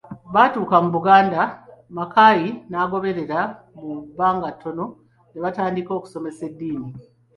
Baatuuka mu Buganda Mackay n'agoberera mu bbanga ttono, ne batandika okusomesa eddiini.